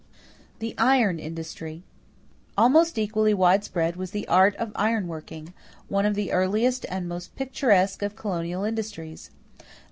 =The Iron Industry.= Almost equally widespread was the art of iron working one of the earliest and most picturesque of colonial industries.